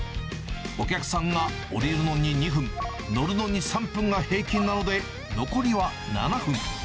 お客さんが降りるのに２分、乗るのに３分が平均なので、残りは７分。